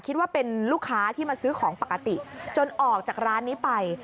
คิดว่าเป็นลูกค้าที่มาซื้อของปกติจนออกจากร้านนี้ไป